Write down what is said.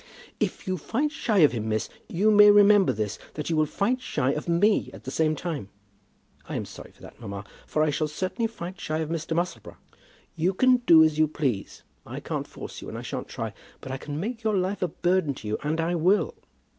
"If you fight shy of him, miss, you may remember this, that you will fight shy of me at the same time." "I am sorry for that, mamma, for I shall certainly fight shy of Mr. Musselboro." "You can do as you please. I can't force you, and I shan't try. But I can make your life a burden to you, and I will.